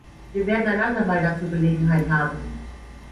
Wir werden ein andermal dazu Gelegenheit haben.